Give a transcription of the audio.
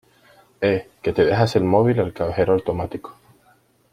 Eh, ¡que te dejas el móvil al cajero automático!